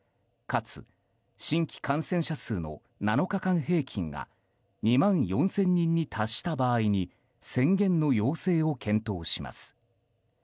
かつ、新規感染者数の７日間平均が２万４０００人に達した場合に宣言の要請を検討します。